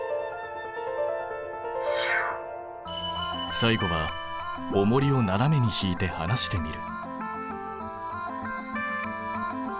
最後はおもりをななめにひいてはなしてみる。